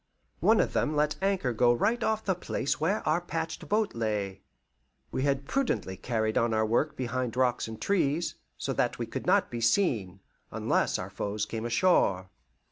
One of them let anchor go right off the place where our patched boat lay. We had prudently carried on our work behind rocks and trees, so that we could not be seen, unless our foes came ashore.